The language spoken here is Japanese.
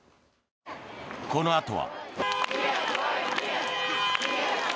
このあとは。